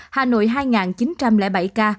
hà nội hai chín trăm linh bảy ca